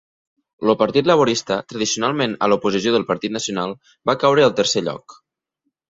El Partit Laborista, tradicionalment a l'oposició del Partit Nacional, va caure al tercer lloc.